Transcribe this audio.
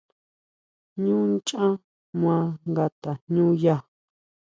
ʼÑú nchá maa nga tajñúya.